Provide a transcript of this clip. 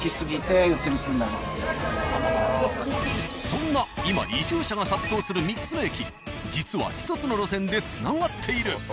そんな今移住者が殺到する３つの駅実は１つの路線でつながっている。